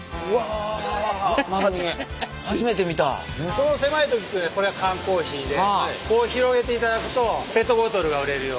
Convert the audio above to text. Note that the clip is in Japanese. この狭い時っていうのがこれは缶コーヒーでこう広げていただくとペットボトルが売れるように。